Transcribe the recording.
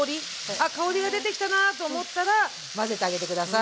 あっ香りが出てきたなと思ったら混ぜてあげて下さい。